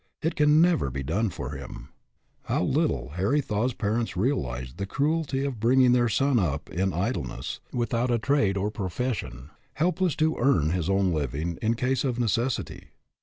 It can never be done for him. How little Harry Thaw's parents realized the cruelty of bringing their son up in idle ness, without a trade or a profession, helpless to earn his own living in case of necessity!